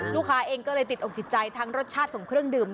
ลูกค้าเองก็เลยติดอกติดใจทั้งรสชาติของเครื่องดื่ม